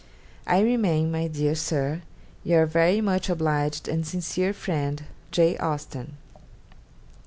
'I remain, my dear Sir, 'Your very much obliged, and sincere friend, 'J. AUSTEN.